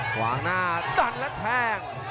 ขวางหน้าดันและแทง